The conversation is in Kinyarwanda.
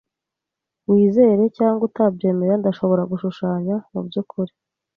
Wizere cyangwa utabyemera, ndashobora gushushanya mubyukuri